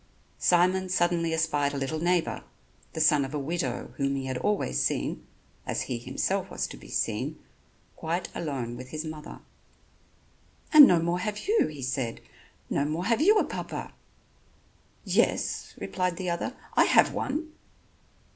Simon suddenly espied a little neighbor, the son of a widow, whom he had always seen, as he himself was to be seen, quite alone with his mother. "And no more have you," he said, "no more have you a papa." "Yes," replied the other, "I have one."